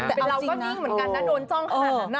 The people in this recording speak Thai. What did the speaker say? แฟนเราเป็นแบบมันเป็นการนิ่งเหมือนกันนะโดนจ้องทำกำหนดอ่ะ